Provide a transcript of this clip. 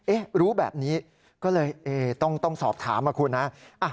รู้แบบนี้ก็เลยต้องสอบถามนะคุณนะ